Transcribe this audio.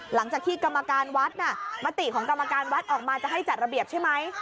หลังจากที่กรรมการวัดน่ะมติของกรรมการวัดออกมาจะให้จัดระเบียบใช่ไหม